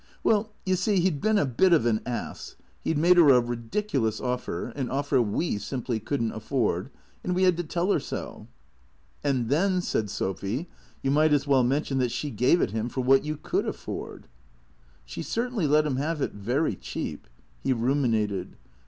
" Well, you see, he 'd been a bit of an ass. He 'd made her a ridiculous offer, an offer we simply could n't afford, and we had to tell her so." " And then," said Sophy, " you might as well mention that she gave it him for what you could afford." " She certainly let him have it very cheap." He ruminated.